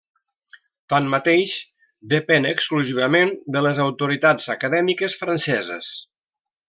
Tanmateix, depèn exclusivament de les autoritats acadèmiques franceses.